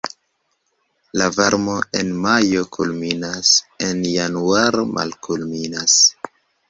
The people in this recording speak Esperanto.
La varmo en majo kulminas, en januaro malkulminas.